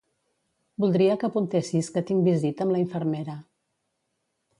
Voldria que apuntessis que tinc visita amb la infermera.